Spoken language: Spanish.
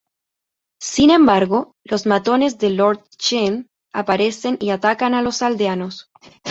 Sin embargo, los matones de Lord Shen aparecen y atacan a los aldeanos.